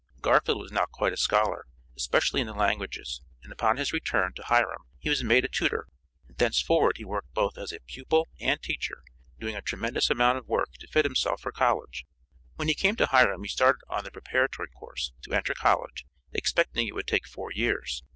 Garfield was now quite a scholar, especially in the languages, and upon his return to Hiram he was made a tutor, and thenceforward he worked both as a pupil and teacher, doing a tremendous amount of work to fit himself for college. When he came to Hiram he started on the preparatory course, to enter college, expecting it would take four years.